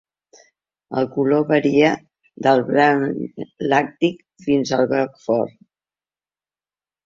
El color varia del blanc làctic fins al groc fort.